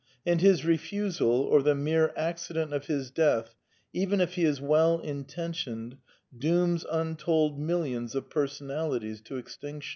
And his refusal, or the mere accident of his death, even if he is well intentioned, dooms untold millions of personalities to extinction.